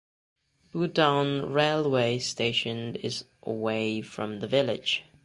Budaun railway station is away from the village.